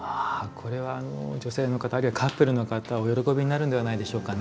これは女性の方あるいはカップルの方お喜びになるのではないでしょうかね。